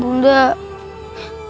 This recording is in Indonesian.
tolong selamatkan aku